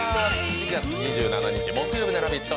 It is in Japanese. ４月２７日、木曜日のラヴィット！